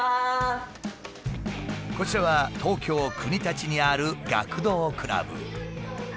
こちらは東京国立にある学童クラブ。